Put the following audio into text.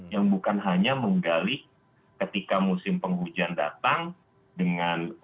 yang bukan hanya menggali ketika musim penghujan datang dengan